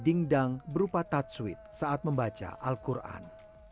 dingdang berupa tatsuid saat membaca al quran